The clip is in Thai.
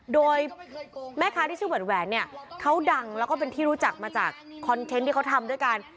โดยแม่ค้าที่ชื่อแหวนเนี่ยเขาดังแล้วก็เป็นที่รู้จักมาจากคอนเทนต์ที่เขาทำด้วยกัน